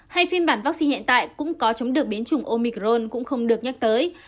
hay phiên bản vaccine hiện tại cũng có chống được biến chủng omicron cũng không được nhắc tới